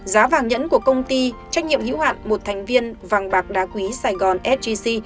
giá vàng nhẫn của công ty trách nhiệm hữu hạn một thành viên vàng bạc đá quý sài gòn sgc